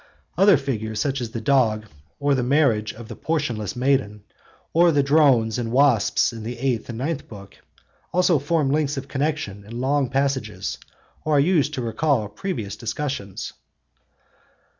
Other figures, such as the dog, or the marriage of the portionless maiden, or the drones and wasps in the eighth and ninth books, also form links of connexion in long passages, or are used to recall previous discussions.